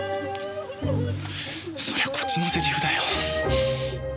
そりゃこっちのセリフだよ。